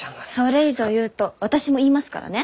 それ以上言うと私も言いますからね。